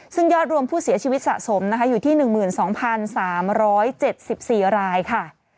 ซึ่งยอดรวมผู้เสียชีวิตสะสมนะคะอยู่ที่๑๒๓๗๔รายค่ะ